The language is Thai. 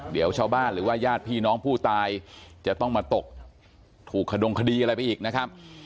เดี๋ยวชาวบ้านหรือว่าญาติพี่น้องผู้ตายจะต้องมาตกถูกขดงคดีอะไรไปอีกนะครับ